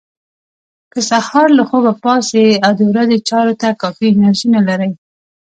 که سهار له خوبه پاڅئ او د ورځې چارو ته کافي انرژي نه لرئ.